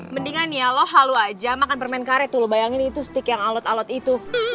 mendingan ya lo halu aja makan permen karet lo bayangin itu stick yang alot alot itu